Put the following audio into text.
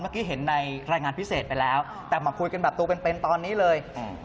เมื่อกี้เห็นในรายงานพิเศษไปแล้วแต่มาคุยกันแบบตัวเป็นเป็นตอนนี้เลยอืม